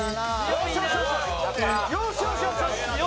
よしよしよしよし！